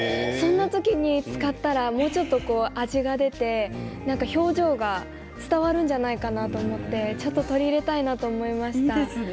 その時に使ったらもうちょっと味が出て表情が伝わるんじゃないかなと思って取り入れたいなと思いました。